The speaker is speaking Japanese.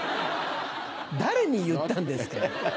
誰に言ったんですか。